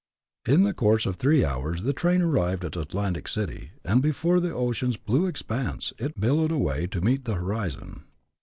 In the course of three hours the train arrived at Atlantic City, and before the ocean's blue expanse, as it billowed away to meet the horizon.